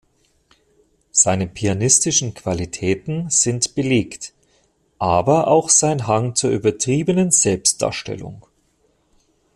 Seine pianistischen Qualitäten sind belegt, aber auch sein Hang zur übertriebenen Selbstdarstellung.